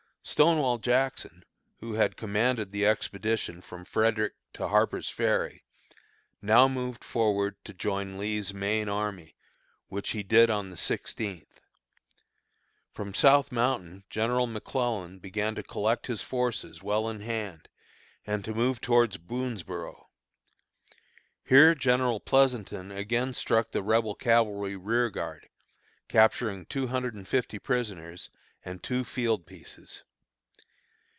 Stonewall Jackson, who had commanded the expedition from Frederick to Harper's Ferry, now moved forward to join Lee's main army, which he did on the sixteenth. From South Mountain General McClellan began to collect his forces well in hand and to move towards Boonsborough. Here General Pleasonton again struck the Rebel cavalry rearguard, capturing two hundred and fifty prisoners and two field pieces.